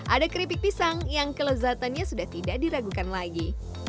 ada keripik pisang yang kelezatannya sudah tidak diragukan lagi